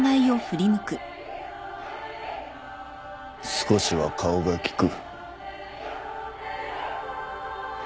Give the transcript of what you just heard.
少しは顔が利く。